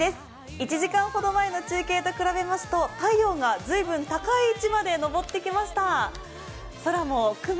１時間ほど前の中継と比べますと太陽が随分高い位置まで昇ってきました。